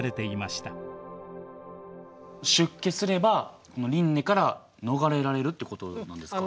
出家すれば輪廻から逃れられるってことなんですか？